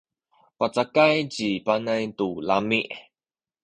pacakay ci Panay tu lami’.